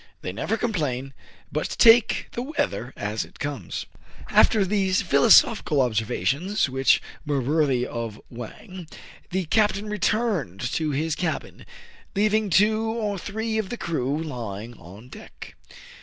They never complain, but take the weather as it comes." CRAIG AND FRY VISIT THE HOLD. 205 After these philosophical observations, which were worthy of Wang, the captain returned to his cabin, leaving two or three of the crew lying on deck.